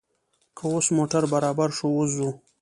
که اوس موټر برابر شو، اوس ځو.